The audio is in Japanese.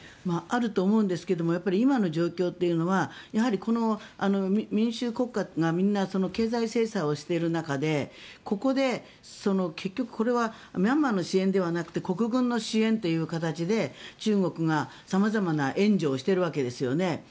あると思うんですけどやはり今の状況というのはやはりこの民主国家がみんな経済制裁をしている中でここで、結局これはミャンマーの支援ではなくて国軍の支援という形で中国が様々な援助をしているわけですよね。